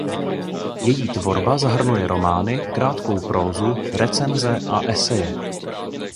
Její tvorba zahrnuje romány, krátkou prózu, recenze a eseje.